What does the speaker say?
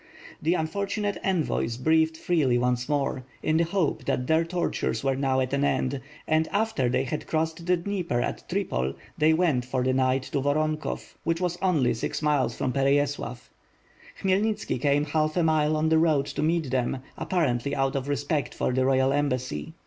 The unfortunate envoys breathed freely once more, in the hope that their tortures were now at an end; and, after they had crossed the Dnieper at Tripol, they went for the night to Voronkov, which was only six miles from Pereyaslav. Khmy elnitskicame half a mile on the road to meet them, apparently out of respect for the royal embassy.